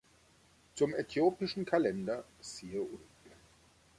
Zum äthiopischen Kalender siehe unten.